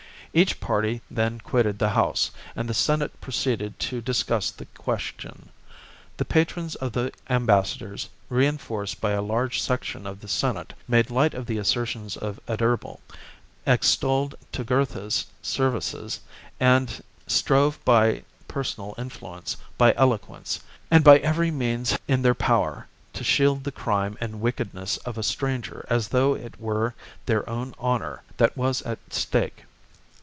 Each party then quitted the House, and the Senate proceeded to discuss the question. The patrons of the ambassadors, reinforced by a large section of the Senate, made light of the assertions of XV. 140 THE JUGURTIIINE WAR, CHAP. Adherbal, extolled Jugurtha's services, and strove by personal influence, by eloquence, and by every means in their power, to shield the crime and wickedness of a stranger as though it were their own honour that was at stake.